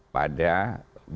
pada badan legisimen